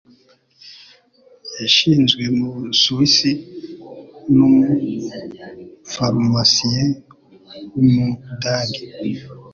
Yashinzwe mu Busuwisi n’umufarumasiye w’umudage,